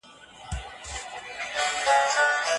افغان نارینه د ډیموکراتیکي رایې ورکولو حق نه لري.